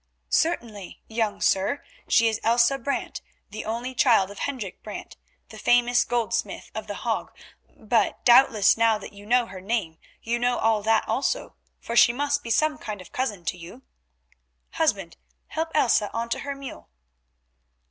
"Certainly, young sir, she is Elsa Brant, the only child of Hendrik Brant, the famous goldsmith of The Hague, but doubtless now that you know her name you know all that also, for she must be some kind of cousin to you. Husband, help Elsa on to her mule."